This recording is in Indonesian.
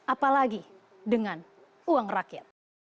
apalagi dengan uang rakyat